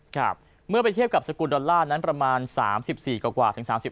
ครับเมื่อไปเทียบกับสกุลดอลลาร์นั้นประมาณ๓๔กว่าถึง๓๔